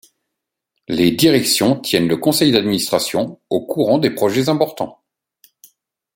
Les directions tiennent le Conseil d'administration au courant des projets importants.